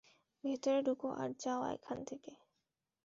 ভেতরে ঢুকো আর যাও এখান থেকে।